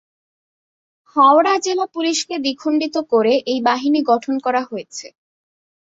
হাওড়া জেলা পুলিশকে দ্বিখণ্ডিত করে এই বাহিনী গঠন করা হয়েছে।